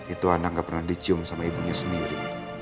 itu anak gak pernah dicium sama ibunya sendiri